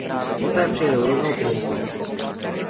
Poté přijedou rovnou k mostu.